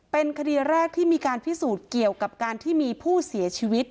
เป็นคดีแรกที่มีการพิสูจน์เกี่ยวกับการที่มีผู้เสียชีวิต